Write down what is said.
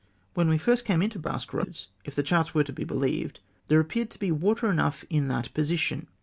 When we first came into Basque Eoads, if the charts were to be believed, there appeared to he water enough in that position.